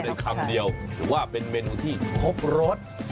อยู่ในคำเดียวหรือว่าเป็นเมนูที่ครบรส